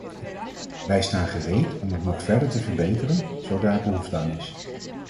Wij staan gereed om het nog verder te verbeteren, zo daar behoefte aan is.